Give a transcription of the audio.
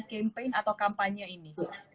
campaign atau kampanye ini